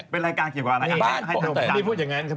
เป็นรายการเกี่ยวกับอะไรครับ